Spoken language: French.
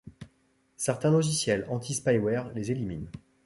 Certains logiciels anti-spyware les éliminent.